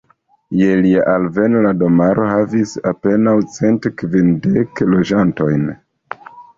Je lia alveno, la domaro havis apenaŭ cent kvindek loĝantojn.